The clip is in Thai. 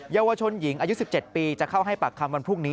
เยาวชนหญิงอายุ๑๗ปีจะเข้าให้ปากคำวันพรุ่งนี้